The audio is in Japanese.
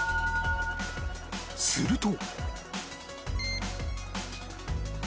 すると